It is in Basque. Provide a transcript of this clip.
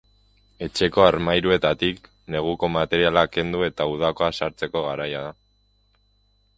Etxeko armairuetatik, neguko materiala kendu eta udakoa sartzeko garaia da.